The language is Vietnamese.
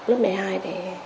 lớp một mươi hai thì